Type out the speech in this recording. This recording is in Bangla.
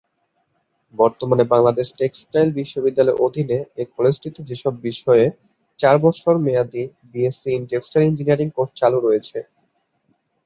বর্তমানে বাংলাদেশ টেক্সটাইল বিশ্ববিদ্যালয়ের অধীনে এই কলেজটিতে যেসব বিষয়ে চার বছর মেয়াদী BSc in textile engineering course চালু রয়েছেঃ-